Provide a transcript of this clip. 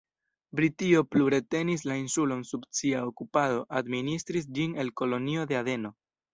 Britio plu retenis la insulon sub sia okupado, administris ĝin el Kolonio de Adeno.